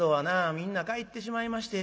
みんな帰ってしまいまして。